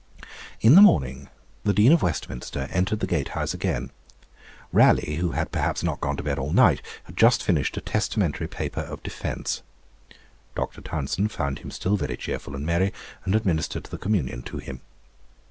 In the morning the Dean of Westminster entered the Gate House again. Raleigh, who had perhaps not gone to bed all night, had just finished a testamentary paper of defence. Dr. Tounson found him still very cheerful and merry, and administered the Communion to him.